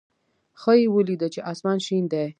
ښه یې ولېده چې اسمان شین دی.